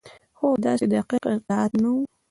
خو داسې دقیق اطلاعات نه وو.